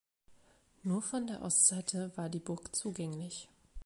Nur von der Ostseite war die Burg zugänglich.